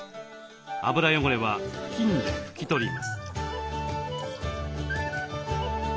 油汚れは布巾で拭き取ります。